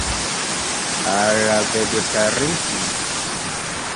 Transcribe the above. Al la vegetarismo?